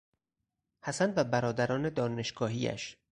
حسن و برادران دانشگاهیاش